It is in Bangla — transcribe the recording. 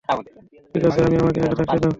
ঠিক আছি আমি, আমাকে একা থাকতে দাও।